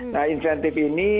nah insentif ini